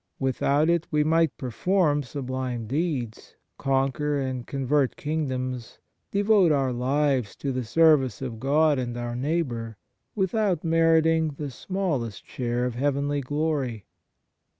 Without it we might perform sublime deeds, conquer and con vert kingdoms, devote our lives to the service of God and our neighbour, without meriting the smallest share of heavenly glory.